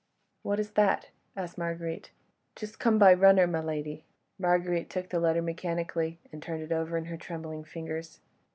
"What is that?" asked Marguerite. "Just come by runner, my lady." Marguerite took the letter mechanically, and turned it over in her trembling fingers.